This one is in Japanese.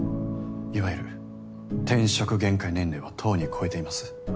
いわゆる転職限界年齢はとうに越えています。